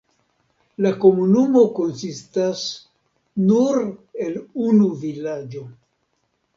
La komunumo konsistas nur el unu vilaĝo.